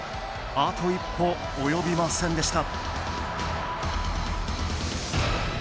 あと一歩及びませんでした。